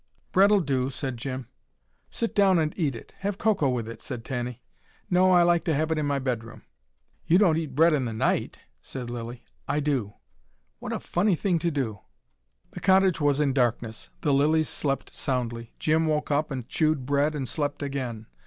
"Bread'll do," said Jim. "Sit down and eat it. Have cocoa with it," said Tanny. "No, I like to have it in my bedroom." "You don't eat bread in the night?" said Lilly. "I do." "What a funny thing to do." The cottage was in darkness. The Lillys slept soundly. Jim woke up and chewed bread and slept again.